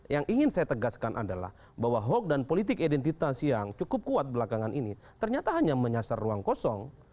yang ingin saya tegaskan adalah bahwa hoax dan politik identitas yang cukup kuat belakangan ini ternyata hanya menyasar ruang kosong